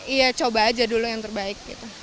iya coba aja dulu yang terbaik